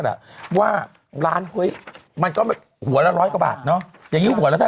แบบว่าร้านเฮ้ยโหม่ะหัวละ๑๐๐กว่าบาทเนาะอย่างนี้หัวละแทบ